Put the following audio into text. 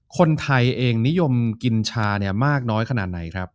คนไทยเองนิยมกินชามากน้อยขนาดไหนครับ